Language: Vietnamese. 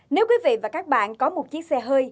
nếu quý vị và các bạn có một chiếc xe hơi